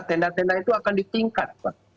tenda tenda itu akan ditingkat pak